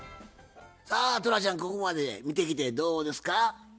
さあトラちゃんここまで見てきてどうですか？